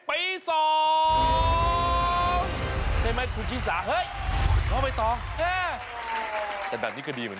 ปีสองใช่ไหมคุณกี้สาเฮ้ยเขาไปต่อแต่แบบนี้ก็ดีเหมือน